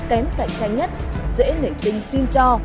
kém cạnh tranh nhất dễ nể sinh xin cho